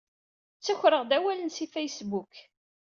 Ttakreɣ-d awalen si Facebook.